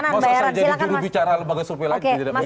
mas ananti jadi juru bicara lembaga survei lainnya tidak bikin